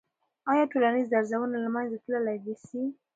آیا ټولنیز درزونه له منځه تللی سي؟